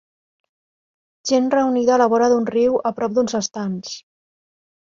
Gent reunida a la vora d'un riu a prop d'uns estands.